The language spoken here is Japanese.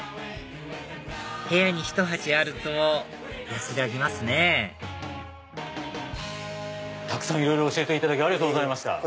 部屋にひと鉢あると安らぎますねいろいろ教えていただきありがとうございました。